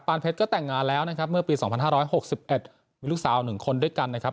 เพชรก็แต่งงานแล้วนะครับเมื่อปี๒๕๖๑มีลูกสาว๑คนด้วยกันนะครับ